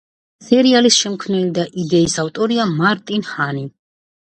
სერიალის შემქმნელი და იდეის ავტორია მარტინ ჰანი.